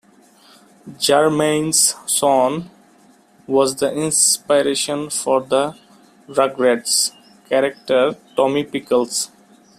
Germain's son was the inspiration for the "Rugrats" character Tommy Pickles.